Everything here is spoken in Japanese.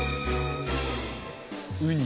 ウニ？